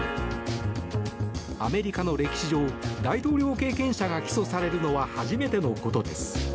アメリカの歴史上大統領経験者が起訴されるのは初めてのことです。